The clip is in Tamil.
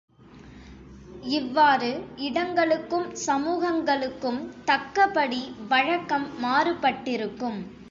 இவ்வாறு இடங்களுக்கும் சமூகங்களுக்கும் தக்கபடி வழக்கம் மாறுபட்டிருக்கும்.